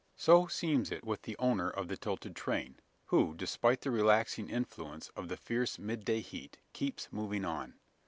So seems it with the owner of the tilted train; who, despite the relaxing influence of the fierce mid day heat, keeps moving on.